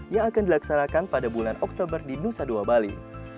yang akan dilaksanakan pada bulan oktober di nusa dua bali